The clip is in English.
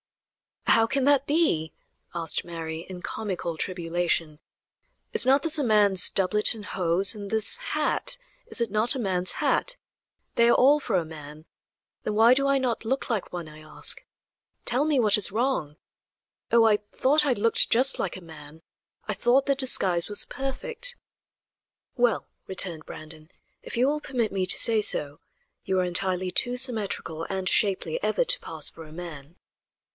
"How can that be?" asked Mary, in comical tribulation; "is not this a man's doublet and hose, and this hat is it not a man's hat? They are all for a man; then why do I not look like one, I ask? Tell me what is wrong. Oh! I thought I looked just like a man; I thought the disguise was perfect." "Well," returned Brandon, "if you will permit me to say so, you are entirely too symmetrical and shapely ever to pass for a man."